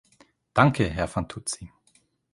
Danke, Herr Fantuzzi.